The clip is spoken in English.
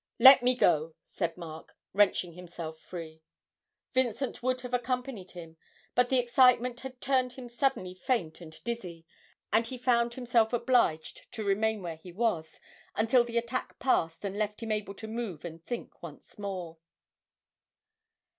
'Let me go!' said Mark, wrenching himself free. Vincent would have accompanied him, but the excitement had turned him suddenly faint and dizzy, and he found himself obliged to remain where he was, until the attack passed and left him able to move and think once more.